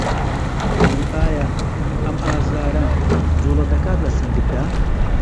و ئایا ئەم ئازاره جووڵه دەکات لە سنگتدا؟